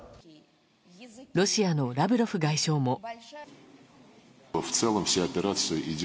ロシアのラブロフ外相も。